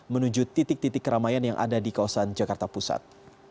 menuju titik titik keramaian yang ada di kawasan jakarta pusat